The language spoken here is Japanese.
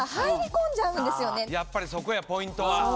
やっぱりそこやポイントは。